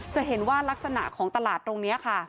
จะเห็นว่ารักษณะของตลาดตรงนี้ค่ะ